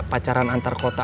pacaran antar kota